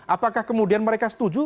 apakah kemudian mereka setuju